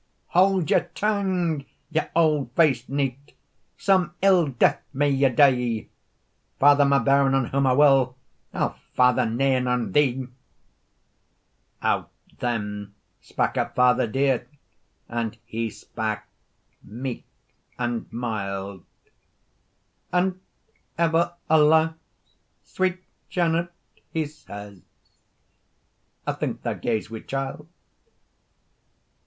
"Haud your tongue, ye auld fac'd knight, Some ill death may ye die! Father my bairn on whom I will, I'll father nane on thee." Out then spak her father dear, And he spak meek and mild; "And ever alas, sweet Janet," he says. "I think thou gaes wi child."